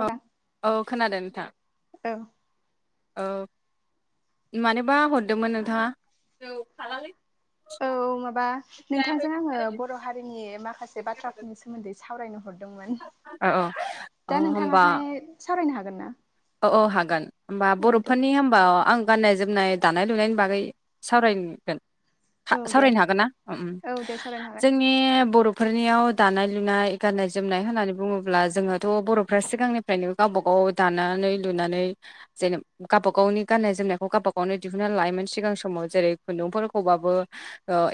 औ औ खोनादों नोंथां औ ओ मानोबा हरदोंमोन नोंथांङा औ औ माबा नोंथांजों आंङो बर' हारिनि माखासे बाथ्राफोरनि सोमोन्दै सावरायनो हरदोंमोन अ अ दा नोंथांङाहाय सावरायनो हागोन ना औ औ हागोन होमबा औ दे बर'फोरनि होनबा आं गाननाय जोमनाय दानाय लुनायनि बागै सावरायगोन औ दे सावरायनो हागोन ना औ दे सावरायनो हागोन जोंनि बर' फोरफोरनियाव दानाय लुनाय गाननाय जोमनाय होननानै बुंङोब्ला जोङोथ' बर'फ्रा सिगांनिफ्रायनो गावबा गाव दानो लुनानै जेने गावबा गावनि गाननाय जोमनायखौ गावबा गावनो दिहुननानै लायोमोन सिगां समाव जेरै खुन्दुंफोरखौबाबो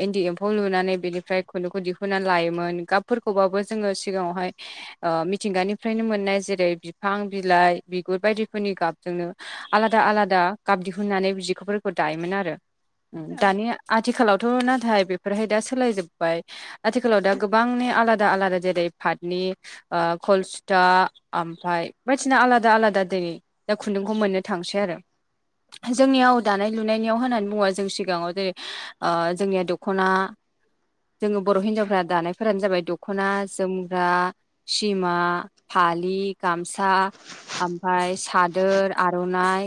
इन्दि एम्फौ लुनानै बेनिफ्राय खुन्दुंखौ दिहुननानै लायोमोन गाबफोरखौ खौबाबो जोंङो सिगाङावहाय मिथिंगानिफ्रायनो मोननाय जेरै बिफां बिलाइ बिगुर बायदिफोरनि गाबजोंनो आलादा आलादा गाब दिहुननानै जिफोरखौ दायोमोन आरो औ दानि आथिखालावथ नाथाय बेफोरहाय दा सोलायजोबबाय आथिखालाव दा गोबांनि आलादा आलादा जेरै पााथनि कलसुथा मफ्राय बायदिसिना आलादा दा आलादा दिनै दा खुन्दुंखौ मोननो थांसै आरो जोंनियाव दानाय लुनायनियाव होननानै बुङोबा जों सिगाङाव जेरै जोंनिया दखना जोङो बर हिनजावफोरा दानायफोरानो जाबाय दख'ना जोमग्रा सिमा दालि गामसा ओमफफ्राय सादोर आरनाइ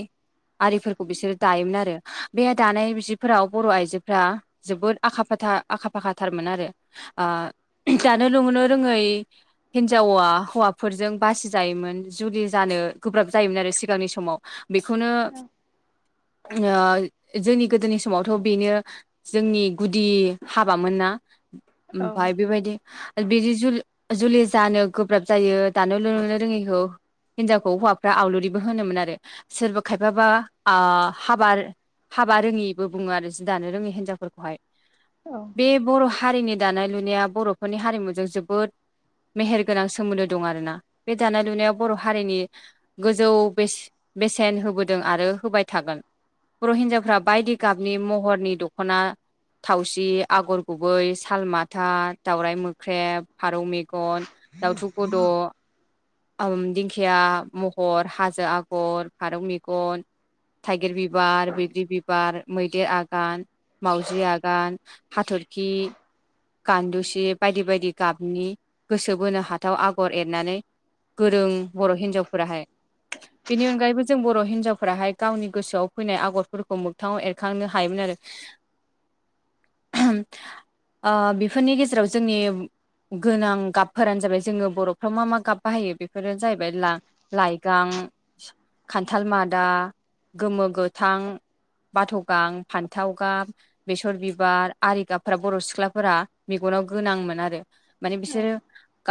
आरिफोरखौ बिसोरो दायोमोन आरो बे दानाय बिफोराव बर आइजोफ्रा जोबोद आखा फाखा आखा फाखाथारमोन आरो जानो लोंहोनो रोङै हिनजावा हौवाफोरजों बासि जायोमोन जुलि जानो गोब्राब जायोमोन आरो सिगांनि समाव बेखौनो औ जोंनि गोदोनि समावथ बेनो जोंनि गुदि हाबामोन नना ओमफ्राय बेबायदि बिदि जुलि जुलि जानो गोब्राब जायो दान लुनो नुनो रोङैखौ हिनजावखौ हौवाफ्रा आवलुरिबो होनोमोन आरो सोरबा खायफाबा हाबा हाबा रोङिबो बुङो आरो जि दानो रोङि हिनजावफोरखौहाय औ बे बर हारिनि दानाय लुनाया बरफोरनि हारिमुजों जोबोद मेहेर गोनां सोमोन्दो दं आरोोना बे दानाय लुनायाव बर हारिनि गोजौ बेसेन होबोदों आरो होबाय थागोन बर हिनजावफ्रा बायदि गाबनि महरनि दखना थावसि आगर गुबै सालमाथा दावराइ मोख्रेब फारौ मेगन दाउथु गद दिंखिया महर हाजो आगर फारौ मेगन थाइगिर बिबार बैग्रि बिबार मैदेर आगान मावजि आगान हाथरखि गान्दुसि बायदि बायदि गाबनि गोसो बोनो हाथाव आगर एरनानै गोरों बर हिन्जावफोराहाय बेनि अनगायैबो जों बर हिनजावफोराहाय गावनि गोसोआव फैनाय आगरफोरखौ मोगथाङाव एरखांनो हायोमोन आरो [inaudible] [inaudible] ओ बेफोरनि गेजेराव जोंनि गोनां गाबफोरानो जाबाय जोङो बरफ्राव मा मा गाब बाहायो बेफोरो जाहैबाय लाइगां खान्थाल मादा गोमो गोथां बाथ गां फान्थाव गाब बेसर बिबार आरि गाबफ्रा बर' सिख्लाफोरा मेगन अखनाव गोनांमोन आरो माने औ बिसोरो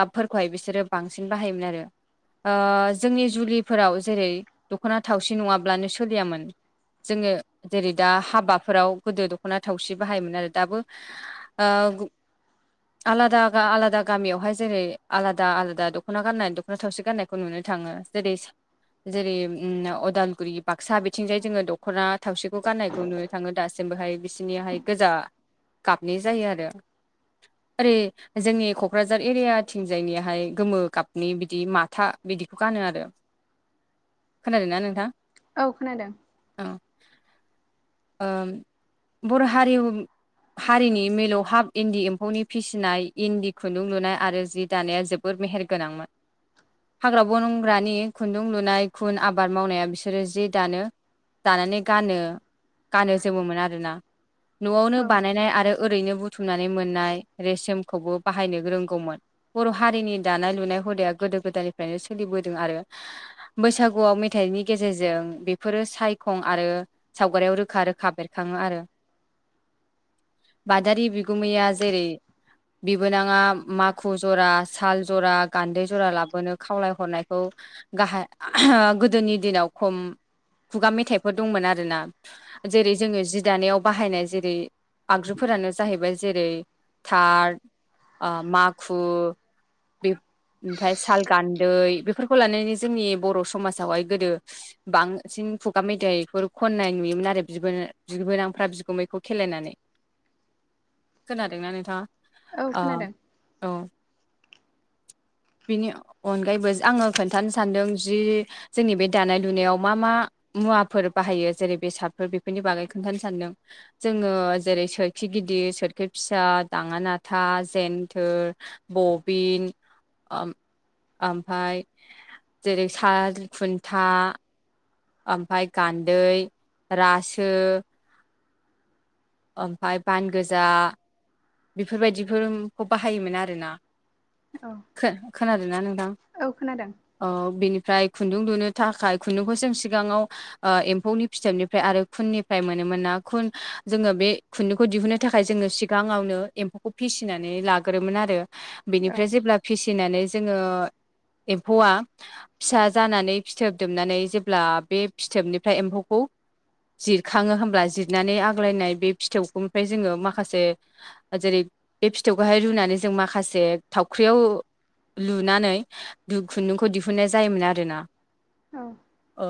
कापफोरखौहाय बिसोरो बांसिन बाहायोमोन आरो जोंनि जुलिफोराव जेरै दख'ना थावसि नङाब्लानो सोलियामोन जोङो जेरै दा हाबाफोराव गोदो दखना थावसि बाहायोमोन आरो दाबो आलादा आलादा गामियावहाय जेरै आलादा आलादा दख'ना गाननानै थावसि गान्नायखौ नुनो थाङो जेरै जेरै अदालगुरि बाक्सा बिथिंजाय जोङो दख'ना थावसिखौ गाननायखौ नुनो थाङो दासिम बेहाय बिसोरनियााहाय गोजा गाबनाय जायो आरो ओरै जोंनि कक्राझार एरियाथिजायनिहाय गोमो गाबनि बि बिदि माथा बिदिखौ गानो आरो खोनादों ना नोंथां औ खोनादों औ बर हारियाव हारिनि मिलौहाब इन्दि एम्फौनि फिसिनाय इन्दि खुन्दुं लुनाय आरो जि दानाया जोबोद मेहेर गोनांमोन हाग्रा बनंग्रानि खुन्दुं लुनाय खुन आबाद मावनाया बिसोरो जि दानो दानानै गानो गानो जोमोमोन आरोना नआवनो औ बानायनाय आरो ओरैनो बुथुमनानै मोननाय रेसमखौबो बाहायनो रोंगौमोन बर' हारिनि दानाय लुनाय हुदाया गोदो गोदायनिफ्रायनो सोलिबोदों आरो बैसागुआव मेथाइनि गेजेरजों बेफोरो साय थं आरो सावगारियाव रोखा रोखा बेरखाङो आरो [inaudible] बादारि बिगुमैया जेरै बिबोनाङा माखु जरा साल जरा गान्दै जारा जुरा लाबोनो खावलायहरनायखौ गाहाय गोदोनि दिनाव खम खुगा मेथाइफोर दंमोन आरो ना जेरै जोङो जि दानायाव बाहायनाय जेरै आगजुफोरानो जाहैबाय जेरै थार माखु दे ओमफाय साल गान्दै बेफोरखौ लानानै जोंनि बर' समाजावहाय गोदो बांसिन खुगा मेथाइफोर खननाय नुयोमोन आरो बिबोनांफोरा बिगोमैखौ बिगुमैखौ खेलायनानै [inaudible] खोनादोंना नोंथाङा औ खोनादों औ बेनि अनगायैबो आङो खोन्थानो सानदों जि जोंनि बे दानाय लुनायाव मा मा मुवाफोर बाहायो जेरै बेसादफोर बेफोरनि बागै खोन्थानो सानदों जोङो जेरै सोरखि गिदिर सोरखि फिसा दाङा नाथा जन्थोर बबिन ओमफाय जेरै साल खुन्था ओमफाय गान्दै रासो ओमफाय बान गोजा बेफोरबायदिफोरखौ बाहायोमोन आरोना औ खोनादों ना नोंथां औ खोनादों औ बेनि फ्राय खुन्दुं लुनो थाखाय खुन्दुंखौसो एम्फौनि फिथोबनिफ्राय आरो खुननिफ्राय मोनो ना खुन जोङो बे खुुनदुंखो दिहुनो थाखाय जोङो सिगाङावनो एम्फौखौ फिसिनानै लाग्रोमोन आरो औ बेनिफ्राय जेब्ला फिसि फिनानै जोङो एम्फौआ फिसा जानानै फिथोब दैबनानै जेब्ला बे फिथोबनिफ्राय एम्फौखौ जिरखाङो होनोमब्ला जिरनानै आग्लायनाय बे फिथौखौनिफ्राय जोङो माखासे जेरै बे फिथौखौहाय रुनानै जों माखासे थावख्रियाव लुनानै खुन्दुंखौ दिहुनन्नाय जायोमोन आरोना औ ओ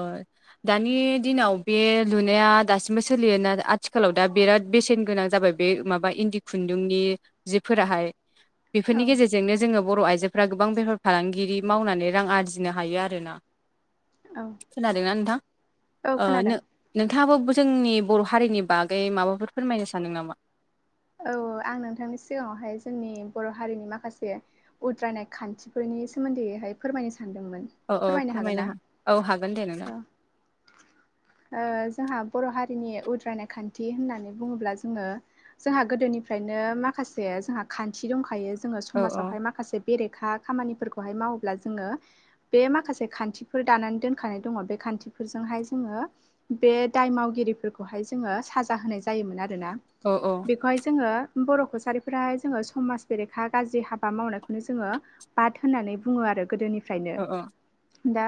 दानि दिनाव बे लुनाया दासिमबो सोलियोना आथिखालाव दा बिराद बेसेन गोनां जाबाय बे माबा इन्दि खुन्दुंनि जिफोराहाय औ बेफोरनि गेजेरजोंनो जोङो बर' आइजोफोरा गोबां बेफार फालांगिरि मावनानै रां आरजिनो हायो आरोना खोनादोंना नोंथां औ खोनादों नोंथाङाबो जोंनि बर' हारिनि बागै माबाफोर फोरमायनो सानदों नामा औ आं नोंथांनि सिगाङावहाय जोंनि बर' हारिनि माखासे उद्रायनाय खान्थिफोरनि नि सोमोन्दैहाय फोरमायनो सानदोंमोन औ औ फोरमायनो हागोन ना हा औ हागोन दे नोंथां जोंहा बर' हारिनि उद्रायनाय खान्थि होननानै बुङोब्ला जोङो जोंहा गोदोनिफ्रायनो माखासे जोंहा खान्थि दंखायो जोङो औ औ समाजावहाय माखासे बेरेखा खामानिफोरखौहाय मावोब्ला जोङो बे माखासे खान्थिफोर दानानै दोनखानाय दङ बे खान्थिफोरजोंहाय जोङो बे दाय मावगिरिफोरखौहाय जोङो साजा होनाय जायोमोन आरो औ औ बेखौहाय जोङो बर' कसारिफोराहाय जोङो समाज बेरेखा गाज्रि हाबा मावनायखौनो जोङो बाद होननानै बुङो आरो गोदोनिफ्रायनो औ दा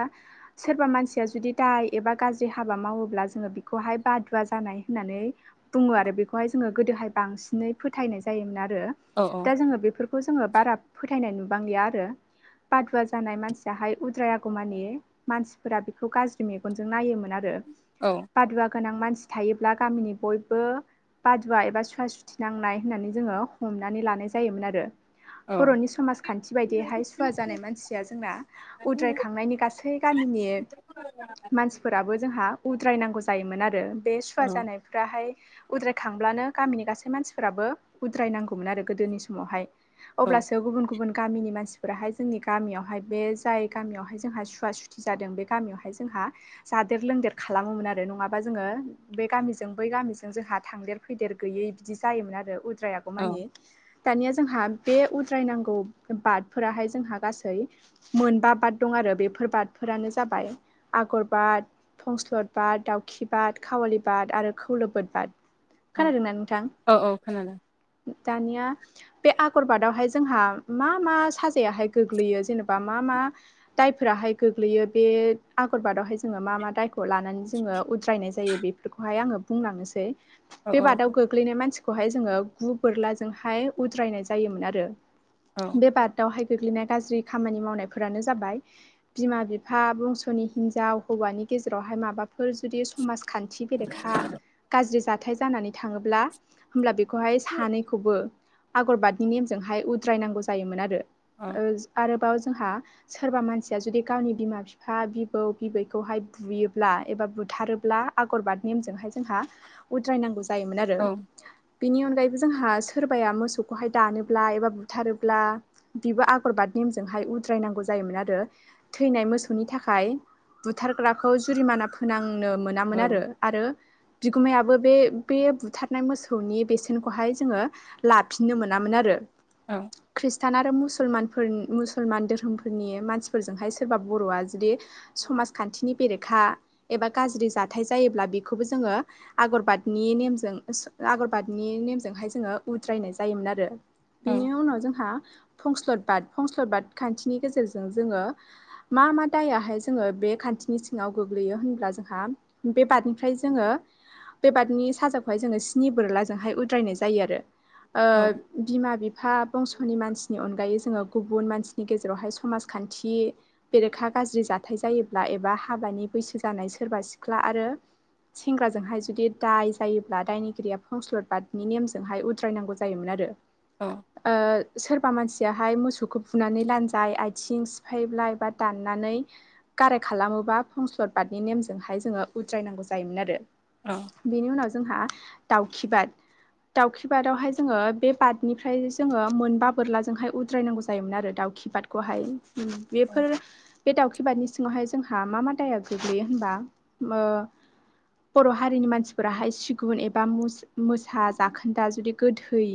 सोरबा मानसिया जुदि दाय एबा गाज्रि हाबा मावोब्ला जोङो बेखौहाय बादुवा जानाय होननानै बुङो आरो बेखौहाय जोङो गोदोहाय बांसिनै फोथायनाय जायोमोन आरो औ औ दा जोङो बे बे खौखौ जोङो बारा फोथायनाय नुबांलिया आरो बादुवा जानाय मानसियाहाय उद्राय आगौमानि मानसिफोरा बेखौ गाज्रि मेगनजों नायोमोन आरो औ बादुवा गोनां मानसि थायोब्ला गामिनि बयबो बा सुवा एबा सुवा सुथनांनाय होननानै जोङो हमनानै लानाय जायोमोन आरो बर'नि समाजखान्थि बायदिहाय सुवा जानाय मानसिया जोंना उद्रायखांनायनि गासै गामिनि मानसिफोराबो जोंहा उद्रायनांगौ जायोमोन आरो बे सुवा जानायफ्राहाय उद्राय खांब्लानो गामिनि गासै मानसिफोराबो उद्राय नांगौमोन आरो गोदोनि समावहाय औ अब्लासो गुबुन गुबुन गामिनि मानसिफोराहाय जोंनि गामियावहाय बे जाय गामियावहाय जोंहा सुवा सुथि जादों बे गामियावहाय जोंहा जादेर लोंदेर खालामोमोन आरो नङाबा जोङो बे गामिजों बै गामिजों जोंहा थांदेर फैदेर गैयै बिदि जायोमोन आरो उद्रायागौ औ मानिे दानिया जोंहा बे उद्रायनांगौ बादफोराहाय जोंहा गासै मोनबा बाद दं आरो आरो बेफोर बादफोरानो जाबाय आगरबाद फंस्लत बाद दाउखि बाद कावालि बाद आरो खौलबोद बाद औ खोनादोंना नोंथां औ औ खोनादों दानिया बे आगरबादावहाय जोंहा मा मा साजायाहाय गोग्लैयो जेनेबा मा मा दायफोराहाय गोग्लैयो बे आगरबादावहाय जोङो मा मा दायखौ लानानै जोङो उ द्रायनाय जायो बेफोरखौहाय आङो बुंलांनोसै औ बे बादाव गोग्लैनाय मानसिखौहाय जोङो गु बोरलाजोंहाय उद्रायनाय जायोमोन आरो औ बे बादावहाय गोग्लैनाय गाज्रि खामानि मावनायफोरानो जाबाय बिमा बिफा बंस'नि हिनजाव हौवानि गेजेरावहाय माबाफोर जुदि समाज खान्थि बेरेखा गाज्रि जाथाइ जानानै थाङोब्ला होमब्ला बेखौहाय सानैखौबो आगरबादनि नेमजोंहाय उद्रायनांगौ जायोमोन आरो औ ओ आरोबाव जोंहा सोरबा मानसिया जुदि गावनि बिमा बिफा बिबौ बिबैखौहाय बुयोब्ला एबा बुथारोब्ला आगरबाद नेमजोंहाय जोंहा उद्रायनांगौ जायोमोन आरो औ बेनि अनगायैबो जोंहा सोरबाया मोसौखौहाय दानोब्ला एबा बुथारोब्ला बिबो आगरबादनि नेमजोंहाय उद्रायनांगौ जायोमोन आरो थैनाय मोसौनि थाखाय बुथारग्राखौ जुरिमाना फोनांनो औ मोनामोन आरो आरो बिगुमायाबो बे बे बुथारनाय मोसौनि बेसेनखौहाय जोङो लाफिननो मोनामोन आरो। औ। खृष्टान आरो मुसलमानफोर मुसलमान धोरोमफोरनि मानसिफोरजोंहाय सोरबा बर'आ जुदि। समाजखान्थिनि बेरेखा एबा गाज्रि जाथाय जायोब्ला बेखौबो जोङो आगरबाद नि नेमजों आगरबादनि नेमजोंहाय जोङो उद्रायनाय जायोमोन आरो। बिनि उनाव जोंहा फंस्लद बाद फंस्लद बाद खान्थिनि गेजेरजों जोङो मा मा दायाहाय जोङो बे खान्थिनि सिङाव गोग्लैयो होनब्ला जोंहा बे बादनिफ्राय जोङो। बेबादनि साजाखौहाय जोङो स्नि बोरलाजोंहाय उद्रायनाय जायो आरो औ ओ बिमा। बिफा बंस'नि मानसिनि अनगायै जोङो गुबुन मानसिनि गेजेरावहाय समाजखान्थि बेरेखा। गाज्रि जाथाय जायोब्ला एबा हाबानि बैसो जानाय सोरबा सिख्ला आरो सेंग्राजोंहाय जुदि दाय जायोब्ला दायनिगिरिया फंसलद बादनि नेमजोंहाय उद्रायनांगौ जायोमोन आरो आ औ सोर सोरा मानसियाहाय मोसौखौ बुनानै लानजाय आथिं सिफायब्ला एबा दान्नानै कारेक खालामोबा फंस्लद बादनि नेमजोंहाय जोङो उद्रायनांगौ जायोमोन आरो। बेनि उनाव जोंहा दाउखिबाद दाउखि बादावहाय जोङो बे बादनिफ्राय जोङो मोनबा बोरलाजोंहाय उद्रायनांगौ जायोमोन आरो दाउ। दाउखि बादखौहाय औ बेफोर बे दाउखि बादनि सिङावहाय जोंहा मा मा दाया गोग्लैयो होमबा बर' हारिनि मानसिफोराहाय सिगुन एबा मोसा जाखोन्दा जुदि गोथै।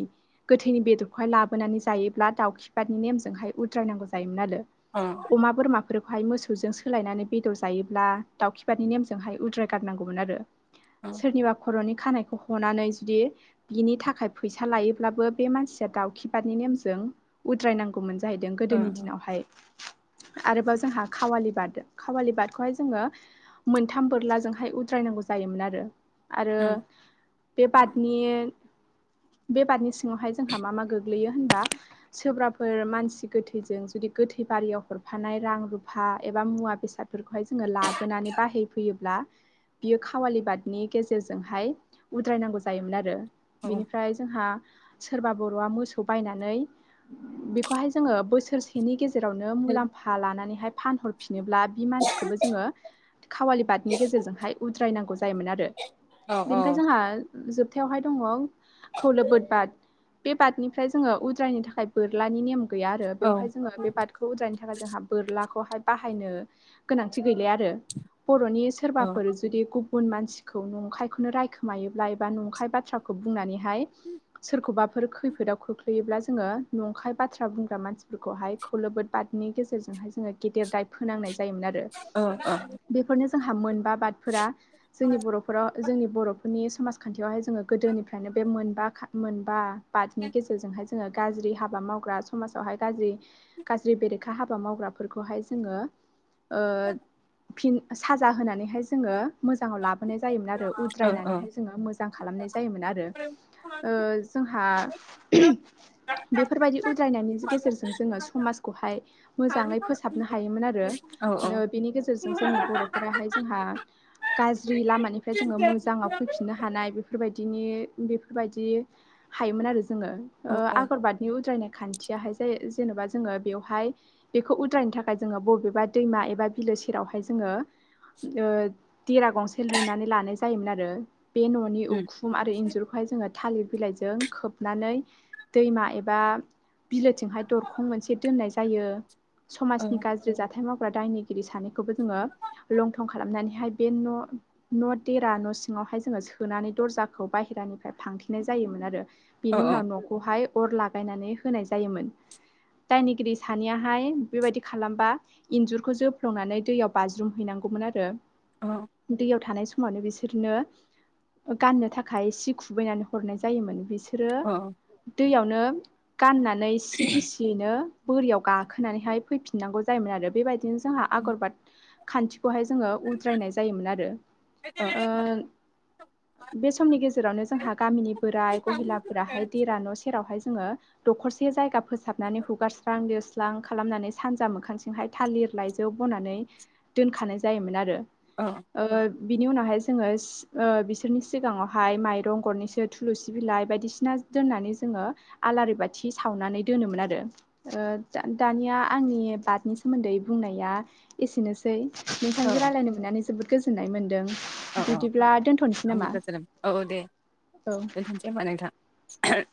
गोथैनि बेदरखौहाय लाबोनानै जायोब्ला दाउखिबादनि नेमजोंहाय। उद्रायनांगौ जायोमोन आरो उम औ अमा बोरमा। बेफोरखौहाय मोसौजों सोलायनानै बेदर जायोब्ला दाउखिबादनि नेमजोंहाय उद्राय गारनांगौमोन आरो। सोरनिबा खर'नि खानायखौ हनानै जुदि बिनि थाखाय फैसा लायोब्लाबो बे मानसिया दाउखि बादनि नेमजों। उद्रायनांगौमोन जाहैदों औ गोदोनि औ दिनावहाय आरोबाव जोंहा खावालि बाद खावालि बादखौहाय जोङो मोनथाम बोरलाजोंहाय उद्रायनांगौ जायो। जायोमोन आरो आरो बे बादनि बे बादनि सिङावहाय जोंहा मा मा गोग्लै गोलैयो होनबा सोरबाफोर मानसि गोथैजों जुदि गोथै बारियाव हरफानाय रां रुफा। एबा मुवा बेसादफोरखौहाय जोङो लाबोनानै बाहायफैयोब्ला बियो। खावालि बादनि गेजेरजोंहाय उद्रायनांगौ जायोमोन आरो बिनिफ्राय जोंहा सोरबा बर'वा मोसौ बायनानै बेखौहाय जोङो बोसोरसेनि गेजेराव गेजेरावनो मुलाम्फा लानानैहाय फानहरफिनोब्ला बि मानसिखौबो जोङो खावालि बादनि गेजेरजोंहाय उद्रायनांगौ जायोमोन आरो बेनिफ्राय जोंहा जोबथायावहाय दङ खौलो बोदबा बेबादनिफ्राय जोङो उद्रायनो थाखाय बोरलानि नेम गैया आरो बेवहाय जोङो बे बादखौ उद्रायनो थाखाय जोंहा बोरला। खौहाय बाहायनो गोनांथि गैलाया आरो बर'नि सोरबाफोर जुदि गुबुन मानसिखौ नंखायखौनो रायखोमायोब्ला एबा नंखाय बाथ्राखौ बुंनानैहाय सोरखौ। अबेबाफोर खैफोदाव खोख्लैयोब्ला जोङो नंखाय बाथ्रा बुंग्रा मानसिफोरखौहाय खौलोबोद बादनि गेजेर। जोंहाय जोङो गेदेर दाय फोनांनाय। जायोमोन आरो औ बेफोरनो जोंहा मोनबा बादफोरा जोंनि बर'फोराव जोंनि बर'फोरनि समाजखान्थियावहाय जोङो गोदोनिफ्रायनो बे मोन मोनबा बादनि गेजेरजों हाय जोङो गाज्रि हाबा मावग्रा समाजाव हाय गाज्रि गाज्रि बेरेखा हाबा मावग्राफोरखौहाय जोङो ओ फिन साजा होनानैहाय जोङो मोजाङाव लाबोनाय जायोमोन आरो उद्रायनानैहाय जोङो मोजां खालामनाय जायोमोन आरो ओ जों हा बेफोरबायदि उद्रायनायनि गेजेरजों जोङो समाजखौहाय मोजाङै फोसाबनो हायोमोन आरो बेनि गेजेरजों जोंनि बर'फोराहाय जोंहा गाज्रि लामानिफ्राय जोङो मोजाङाव फैफिननो हानाय बेफोरबायदिनो बेफोरबायदि हायोमोन आरो जोङो आगरबादनि उद्रायनाय खान्थियाय जा जेनेबा जोङो बेयावहाय बेखौ उद्रायनो थाखाय जोङो बबेबा दैमा एबा बिलो सेरावहाय जोङो ओ देरा गंसे लुनानै लानाय जायोमोन आरो बे न'नि उखुम आरो इन्जुरखौहाय जोङो थालिर बिलाइजों खोबनानै दैमा एबा बिलोथिंहाय दरखं मोनसे दोननाय जायो समाजनि गाज्रि जाथाय मावग्रा दायनिगिरि सानैखौबो जोङो लंटं खालामनानैहाय बे न' न' देरा न' सिङावहाय जोङो सोनानै दर्जाखौ बाहहेरानिफ्राय फांथिनाय जायोमोन आरो बिनि उनाव न'खौहाय अर लागायनानै होनाय जायोमोन दायनिगिरि सानैयाहाय बेबायदि खालामबा इन्जुरखौ जोफ्लंनानै दैयाव बाज्रुमहैनांगौ नांगौमोन आरो दैयाव थानाय सम समावनो बिसोरनो गाननो थाखाय सि खुबैनानै हरनाय जायोमोन बिसोर औ बिसोरो दैयावनो गाननानै सि गिसियैनो बोरियाव गाखोनानैहाय फैफिननांगौ जायोमोन आरो बेबायदिनो जोंहा आगरबाद खान्थि खौहाय जोङो उद्रायनाय जायोमोन आरो बे समनि गेजेरावनो जोंहा गामिनि बोराय गहिलाफोराहाय दिरा न' जेरावहाय जोङो दखरसे जायगा फोसाबनानै हुगारस्रां लिर स्रां खालामनानै सानजा मोखांथिंहाय थालिर लाइजौ बनानै दोनखानाय जायोमोन आरो ओ बिनि उनावहाय जोङो बिसोरनि सिगाङावहाय माइरं गरनैसो थुलुंसि बिलाइ बायदिसिना दोनानै जोङो आलारि बाथि सावनानै दोनोन आरो दया आंनि नि बादनि सोमोन्दै बुंनाया एसेनोसै औ नोंथांजों रायज्लायनो मोननानै जोबोद गोजोननाय मोन्दों औ औ आंबो गोजोनोम औ दे औ दोनथनोसै होमबा नोंथां [unintelligible]